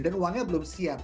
dan uangnya belum siap